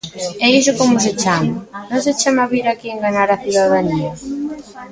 ¿E iso como se chama?, ¿non se chama vir aquí enganar a cidadanía?